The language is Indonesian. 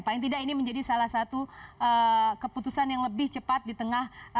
paling tidak ini menjadi salah satu keputusan yang lebih cepat di tengah